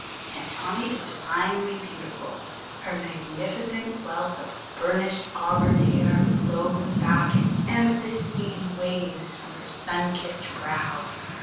Aunt Tommy is divinely beautiful. Her magnificent wealth of burnished auburn hair flows back in amethystine waves from her sun kissed brow.